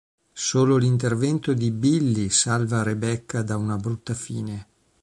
Solo l'intervento di Billy salva Rebecca da una brutta fine.